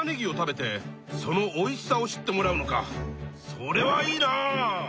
それはいいなあ！